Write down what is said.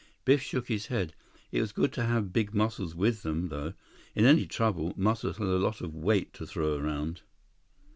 Biff shook his head. It was good to have big Muscles with them, though. In any trouble, Muscles had a lot of weight to throw around.